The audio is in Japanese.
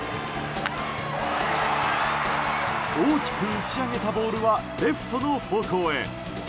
大きく打ち上げたボールはレフトの方向へ。